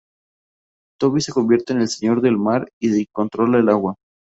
Toby se convierte en el Señor del Mar y controla el agua.